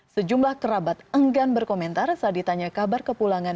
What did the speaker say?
sejumlah kerabat enggan berkomentar saat ditanya kabar kepulangan